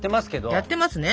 やってますね。